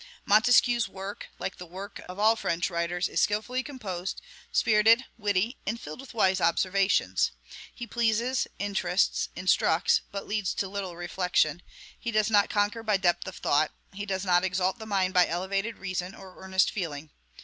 Montesquieu's work, like the works of all French writers, is skilfully composed, spirited, witty, and filled with wise observations. He pleases, interests, instructs, but leads to little reflection; he does not conquer by depth of thought; he does not exalt the mind by elevated reason or earnest feeling.